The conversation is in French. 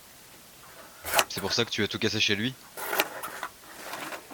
C’est pour ça que tu as tout cassé chez lui ?